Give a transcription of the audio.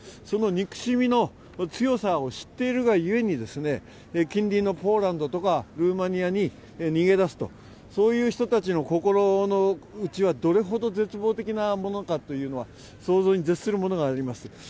その憎しみの強さを知っているがゆえに、近隣のポーランドとかルーマニアに逃げ出すという人たちの心のうちはどれほど絶望的なものかというのは想像に絶するものがあります。